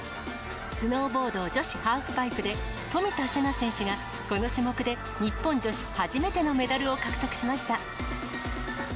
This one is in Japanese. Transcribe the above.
スノーボード女子ハーフパイプで、冨田せな選手がこの種目で日本女子初めてのメダルを獲得しました。